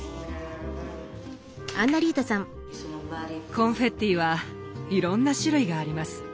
コンフェッティはいろんな種類があります。